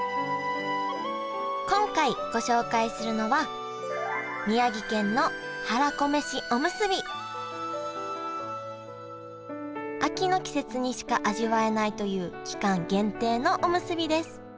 今回ご紹介するのは秋の季節にしか味わえないという期間限定のおむすびです。